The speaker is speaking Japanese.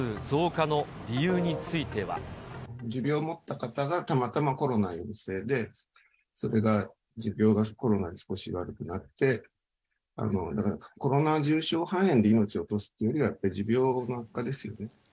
持病を持った方がたまたまコロナ陽性で、それが持病がコロナで少し悪くなって、コロナ重症肺炎で命を落とすっていうよりは、持病の悪化ですよね。